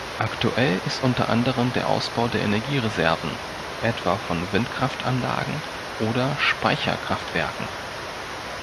Aktuell ist unter anderem der Ausbau der Energiereserven, etwa von Windkraftanlagen oder Speicherkraftwerken.